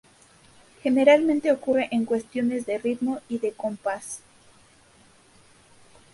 Generalmente ocurre en cuestiones de ritmo y de compás.